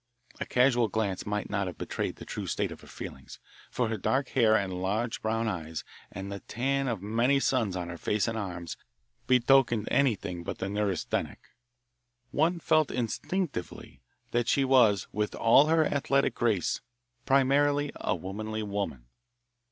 A casual glance might not have betrayed the true state of her feelings, for her dark hair and large brown eyes and the tan of many suns on her face and arms betokened anything but the neurasthenic. One felt instinctively that she was, with all her athletic grace, primarily a womanly woman.